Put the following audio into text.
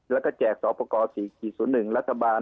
แล้วก็แจกสอปกร๔๐๑รัฐบาล